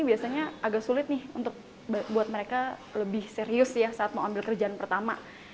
biasanya agak sulit untuk membuat mereka lebih serius saat mau ambil kerjaan pertama